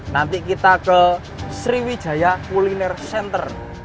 nanti kita ke sriwijaya kuliner center